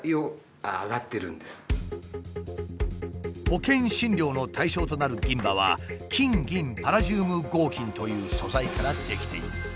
保険診療の対象となる銀歯は「金銀パラジウム合金」という素材から出来ている。